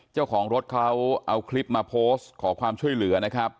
เจ้าของรถเขาเอาคลิปมาโพสต์ขอความช่วยเหลือนะครับ